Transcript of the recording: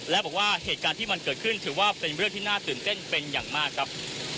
และบอกว่าเหตุการณ์ที่มันเกิดขึ้นถือว่าเป็นเรื่องที่น่าตื่นเต้นเป็นอย่างมากครับ